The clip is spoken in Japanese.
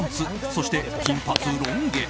そして、金髪ロング毛。